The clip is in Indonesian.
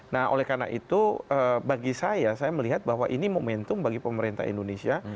nah oleh karena itu bagi saya saya melihat bahwa ini momentum bagi pemerintah indonesia